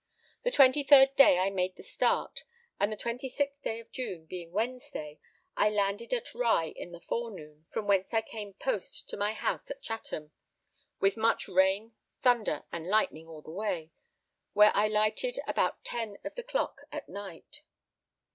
The 23rd day I made the Start, and the 26th day of June, being Wednesday, I landed at Rye in the forenoon; from whence I came post to my house at Chatham, with much rain, thunder, and lightning all the way, where I lighted about 10 of the clock at night.